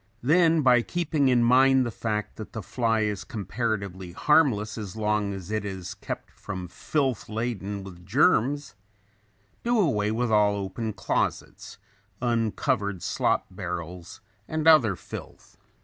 Then, by keeping in mind the fact that the fly is comparatively harmless as long as it is kept from filth laden with germs, do away with all open closets, uncovered slop barrels and other filth.